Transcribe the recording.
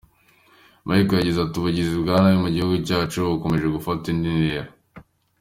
Michael yagize ati “ Ubugizi bwa nabi mu gihugu cyacu bukomeje gufata indi ntera.